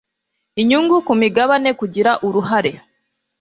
inyungu ku migabane kugira uruhare